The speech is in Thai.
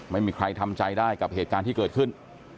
ไม่มีใครทำใจได้กับเหตุการณ์ที่เกิดขึ้น